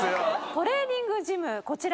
トレーニングジムこちら。